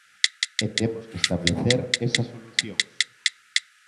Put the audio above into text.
E temos que establecer esas solucións.